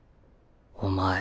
お前